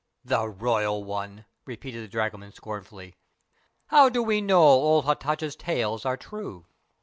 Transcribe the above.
"The royal one!" repeated the dragoman scornfully. "How do we know old Hatatcha's tales are true?"